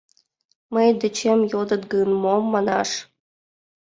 Мый дечем йодыт гын, мом манаш?